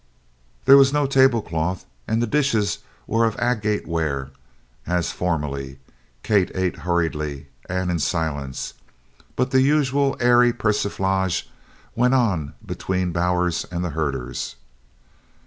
There was no tablecloth and the dishes were of agate ware as formerly. Kate ate hurriedly and in silence, but the usual airy persiflage went on between Bowers and the herders.